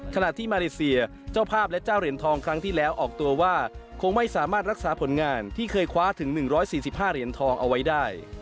ขณะที่มาเลเซียเจ้าภาพและเจ้าเหรียญทองครั้งที่แล้วออกตัวว่าคงไม่สามารถรักษาผลงานที่เคยคว้าถึง๑๔๕เหรียญทองเอาไว้ได้